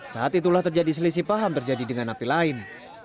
saat itulah terjadi selisih paham terjadi dengan napi lain